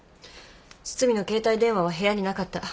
堤の携帯電話は部屋になかった。